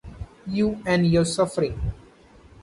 You and your suffering!